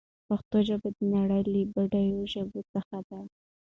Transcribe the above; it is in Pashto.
پښتو ژبه د نړۍ له بډايو ژبو څخه ده.